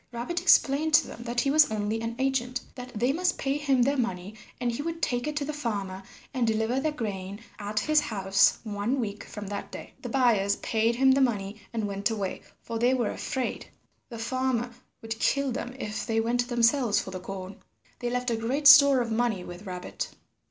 Rabbit explained to them that he was only an agent, that they must pay him their money, and he would take it to the farmer, and deliver their grain at his house one week from that day. The buyers paid him the money and went away, for they were afraid the farmer would kill them if they went themselves for the corn. They left a great store of money with Rabbit.